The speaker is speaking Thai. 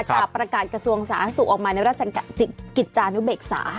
ประกาศกระทรวงสาธารณสุขออกมาในราชกิจจานุเบกษา